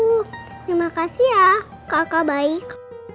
terima kasih ya kakak baik